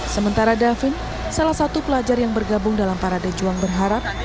sementara davin salah satu pelajar yang bergabung dalam parade juang berharap